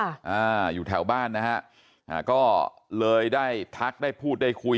อ่าอยู่แถวบ้านนะฮะอ่าก็เลยได้ทักได้พูดได้คุย